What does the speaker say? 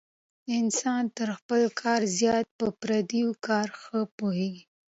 انسان تر خپل کار زیات په پردي کار ښه پوهېږي.